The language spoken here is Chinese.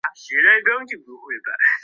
陶弼人。